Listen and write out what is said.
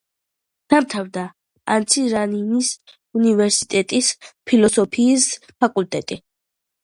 დაამთავრა ანცირანანის უნივერსიტეტის ფილოსოფიის ფაკულტეტი.